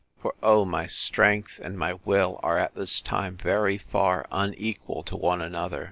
—For, oh! my strength and my will are at this time very far unequal to one another.